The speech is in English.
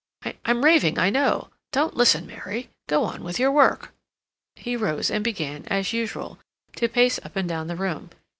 I'm raving, I know; don't listen, Mary; go on with your work." He rose and began, as usual, to pace up and down the room.